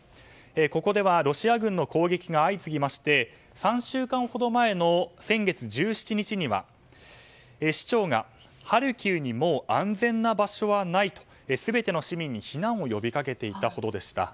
ここでは、ロシア軍の攻撃が相次ぎまして３週間ほど前の先月１７日には市長が、ハルキウにもう安全な場所はないと全ての市民に避難を呼び掛けていたほどでした。